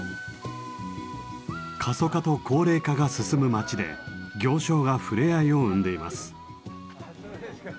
過疎化と高齢化が進む町で行商が触れ合いを生んでいます。